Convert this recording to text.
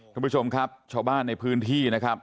คุณผู้ชมครับชาวบ้านในพื้นที่นะครับ